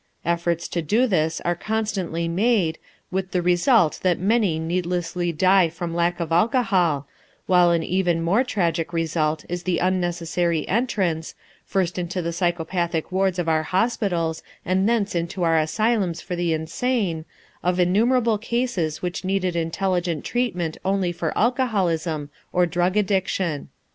Efforts to do this are constantly made, with the result that many needlessly die from lack of alcohol, while an even more tragic result is the unnecessary entrance, first into the psychopathic wards of our hospitals and thence into our asylums for the insane, of innumerable cases which needed intelligent treatment only for alcoholism or drug addiction.